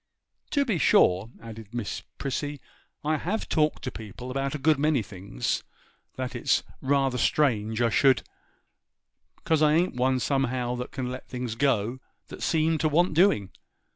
To be sure,' added Miss Prissy, 'I have talked to people about a good many things that it's rather strange I should, 'cause I ain't one somehow that can let things go that seem to want doing.